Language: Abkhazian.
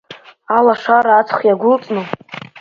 Алашара аҵх иагәылҵны…